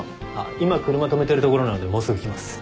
今車止めてるところなのでもうすぐ来ます。